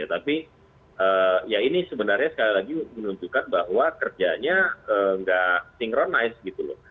tapi ya ini sebenarnya sekali lagi menunjukkan bahwa kerjanya nggak synchronized